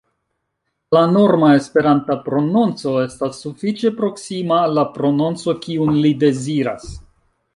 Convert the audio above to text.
La norma Esperanta prononco estas sufiĉe proksima al la prononco kiun li deziras.